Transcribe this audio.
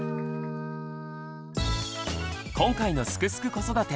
今回の「すくすく子育て」